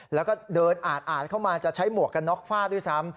แล้วก็เดินอาดเข้ามาจะใช้หมวกกันน็อกฟาดด้วยซ้ำ